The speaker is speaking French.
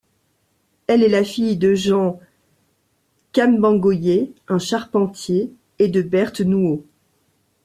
Elle est la fille de Jean Kambangoye, un charpentier, et de Berthe Nouo.